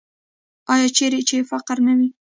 آیا چیرې چې فقر نه وي؟